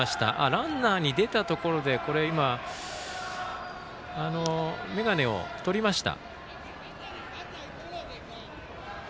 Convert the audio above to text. ランナーに出たところで、今眼鏡を取りました。